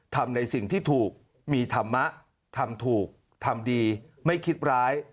ทำในสิ่งที่ถูกมีธรรมะทำถูกทำดีไม่คิดร้าย